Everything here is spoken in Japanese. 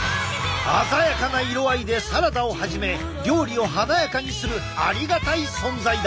鮮やかな色合いでサラダをはじめ料理を華やかにするありがたい存在だ。